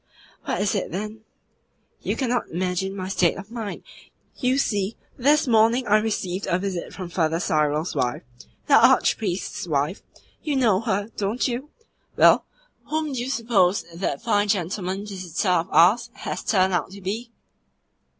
"What is it, then?" "You cannot imagine my state of mind! You see, this morning I received a visit from Father Cyril's wife the Archpriest's wife you know her, don't you? Well, whom do you suppose that fine gentleman visitor of ours has turned out to be?"